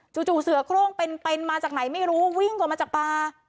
จู่จู่เสือโครงเป็นเป็นมาจากไหนไม่รู้วิ่งกว่ามาจากป่า